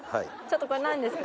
これ何ですか？